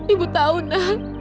ibu tahu na